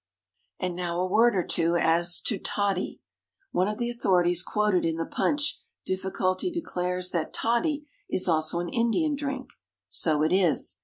And now a word or two as to "TODDY." One of the authorities quoted in the punch difficulty declares that toddy is also an Indian drink. So it is.